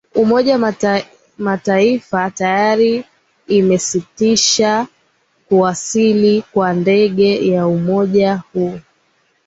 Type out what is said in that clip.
umoja mataifa tayari imesitisha kuwasili kwa ndege ya umoja huo